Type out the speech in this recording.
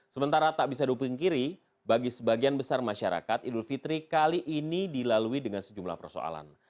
sementara tak bisa duping kiri bagi sebagian besar masyarakat idul fitri kali ini dilalui dengan sejumlah persoalan